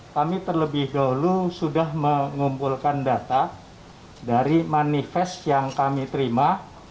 kami terlebih dahulu sudah mengumpulkan data dari manifest yang kami terima